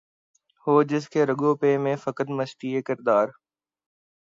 ہو جس کے رگ و پے میں فقط مستی کردار